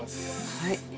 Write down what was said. はい。